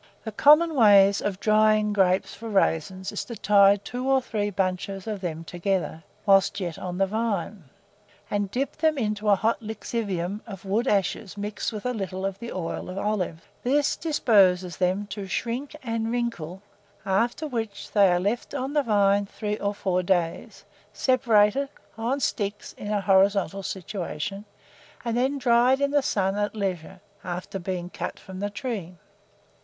The common way of drying grapes for raisins is to tie two or three bunches of them together, whilst yet on the vine, and dip them into a hot lixivium of wood ashes mixed with a little of the oil of olives: this disposes them to shrink and wrinkle, after which they are left on the vine three or four days, separated, on sticks in a horizontal situation, and then dried in the sun at leisure, after being cut from the tree.